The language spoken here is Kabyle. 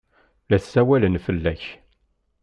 La ssawalen fell-ak.